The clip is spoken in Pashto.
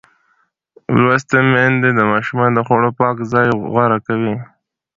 لوستې میندې د ماشومانو د خوړو پاک ځای غوره کوي.